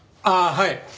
ああはい。